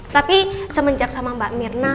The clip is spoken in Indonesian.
tapi semenjak sama mbak mirna